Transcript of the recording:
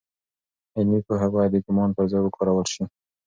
علمي پوهه باید د ګومان پر ځای وکارول سي.